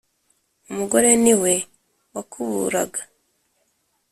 Umugore ni we wakuburaga,